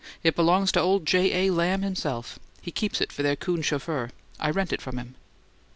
"It belongs to old J. A. Lamb himself. He keeps it for their coon chauffeur. I rent it from him."